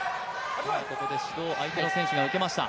ここで指導を相手の選手が受けました。